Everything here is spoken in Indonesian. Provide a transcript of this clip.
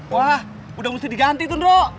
wah udah mesti diganti tuh dok